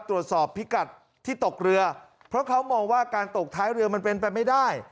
ตรวจสอบพิกัดที่ตกเรือเพราะเขามองว่าการตกท้ายเรือมันเป็นไปไม่ได้